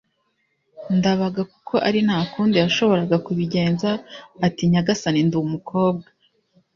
Ndabaga kuko ari ntakundi yashoboraga kubigenza; ati «nyagasani ndi umukobwa!